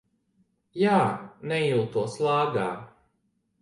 Jā, nejūtos lāgā.